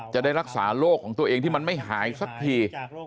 จะได้รักษาโรคของตัวเองที่มันไม่หายสักที